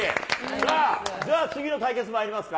さあ、じゃあ次の対決まいりますか。